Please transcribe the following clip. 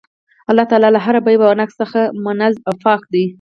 الله تعالی له هر عيب او نُقص څخه منزَّه او پاك دی